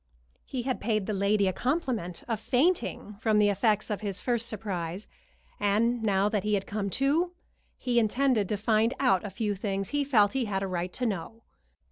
He had paid the lady the compliment of fainting from the effects of his first surprise, and now that he had come to he intended to find out a few things he felt he had a right to know.